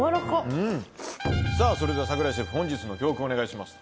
さぁそれでは櫻井シェフ本日の教訓をお願いします。